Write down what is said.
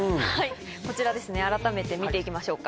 こちら改めて見ていきましょうか。